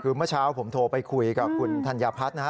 คือเมื่อเช้าผมโทรไปคุยกับคุณธัญพัฒน์นะฮะ